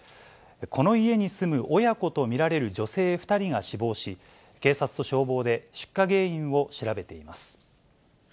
この家に住む親子と見られる女性２人が死亡し、警察と消防で出火原因を調べています。